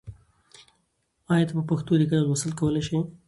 آیا ته په پښتو لیکل او لوستل کولای شې؟